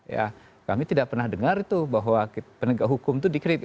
ya kami tidak pernah dengar itu bahwa penegak hukum itu dikritik